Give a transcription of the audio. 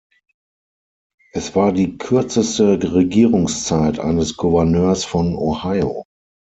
Es war die kürzeste Regierungszeit eines Gouverneurs von Ohio.